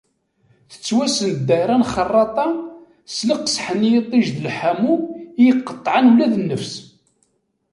Tettwassen ddayra n Xerraṭa s teqseḥ n yiṭij d lḥamu i iqeṭṭεen ula d nnefs.